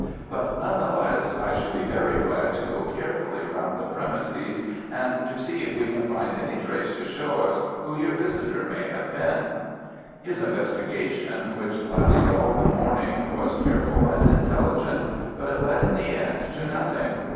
But none the less, I should be very glad to go carefully round the premises, and to see if we can find any trace to show us who your visitor may have been." His investigation, which lasted all the morning was careful and intelligent, but it led in the end to nothing.